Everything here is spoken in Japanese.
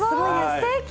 すてき！